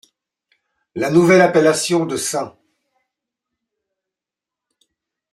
La nouvelle appellation de St.